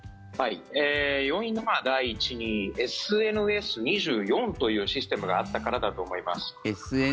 要因の第一にＳＮＳ２４というシステムがあったからだと思います。